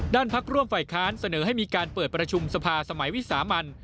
พักร่วมฝ่ายค้านเสนอให้มีการเปิดประชุมสภาสมัยวิสามัน